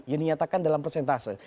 yang dinyatakan dalam persentase